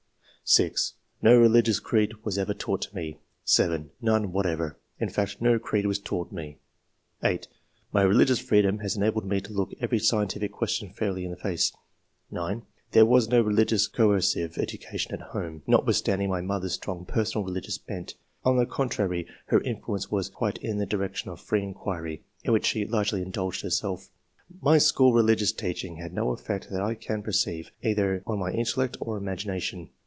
6. No religious creed was ever taught to me." 7. " None whatever. In fact, no creed was taught me." 8. "My religious freedom has enabled me to look every scientific question fairly in the face." 9. " There was no religious coercive education at home. 138 ENGLISH MEN OF SCIENCE. [chap. notwithstanding my mother's strong personal religious bent. On the contrary, her influence was quite in the direction of free inquiry, in which she largely indulged herself. My school religious teaching had no effect that I can per ceive, either on my intellect or imagination.